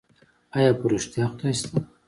ايا په رښتيا خدای سته؟